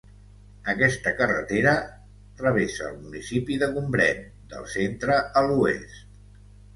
Aquesta carretera travessa el municipi de Gombrèn, del centre a l'oest.